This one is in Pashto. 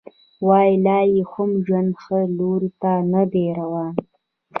وايي لا یې هم ژوند ښه لوري ته نه دی روان